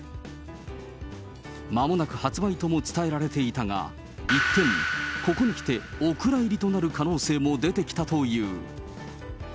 まもなく発売とも伝えられていたが、一転、ここにきてお蔵入りとなる可能性も出てきたという。